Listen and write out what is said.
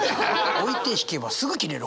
「置いて引けばすぐ切れる。